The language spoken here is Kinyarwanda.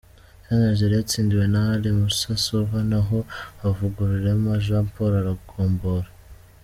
Sunrise yari yatsindiwe na Ally Moussa Sauva naho Havugarurema Jean Paul “Laro” aragombora.